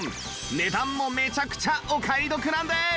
値段もめちゃくちゃお買い得なんです